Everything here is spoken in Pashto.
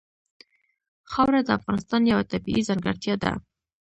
خاوره د افغانستان یوه طبیعي ځانګړتیا ده.